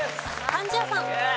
貫地谷さん。